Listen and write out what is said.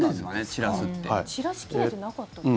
散らし切れてなかった。